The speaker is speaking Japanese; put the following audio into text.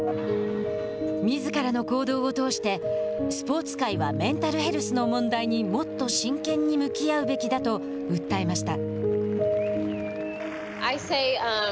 みずからの行動を通してスポーツ界はメンタルヘルスの問題にもっと真剣に向きあうべきだと訴えました。